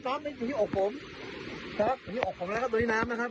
น้ำถึงที่อกผมนะครับตรงนี้อกผมแล้วครับ